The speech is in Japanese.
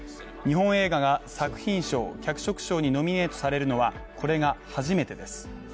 日本映画が作品賞、脚色賞にノミネートされるのはこれが初めてです。